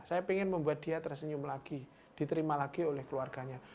saya ingin membuat dia tersenyum lagi diterima lagi oleh keluarganya